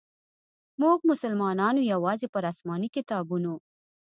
موږ مسلمانانو یوازي پر اسماني کتابونو.